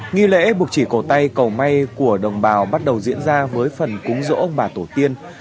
nghi lễ buộc chỉ cổ tay cầu may của đồng bào bắt đầu diễn ra với phần cúng rỗ bà tổ tiên